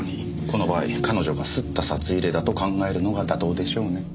この場合彼女が掏った札入れだと考えるのが妥当でしょうね。